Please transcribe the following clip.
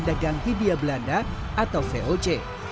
perusahaan dagang hidia belanda atau voc